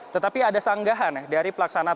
tetapi ada sanggahan dari pelaksanaan